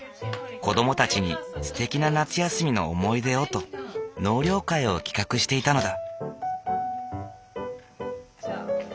子どもたちにすてきな夏休みの思い出をと納涼会を企画していたのだ。